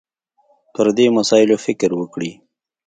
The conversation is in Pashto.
پر دې مسایلو فکر وکړي